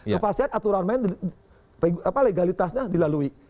kepastian aturan legalitasnya dilalui